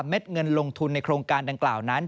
เด็ดเงินลงทุนในโครงการดังกล่าวนั้น